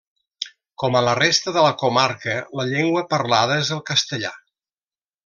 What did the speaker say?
Com a la resta de la comarca la llengua parlada és el castellà.